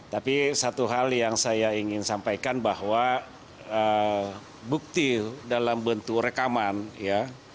tapi satu hal yang saya ingin sampaikan bahwa bukti dalam bentuk rekaman ya